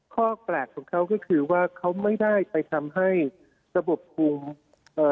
ข้อแปลกของเขาก็คือว่าเขาไม่ได้ไปทำให้ระบบคุมเอ่อ